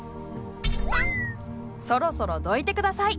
そろそろどいて下さい。